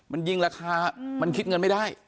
มันยิงราคามันคิดเงินไม่ได้